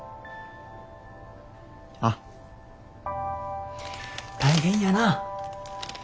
ああ大変やな。